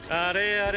あれ？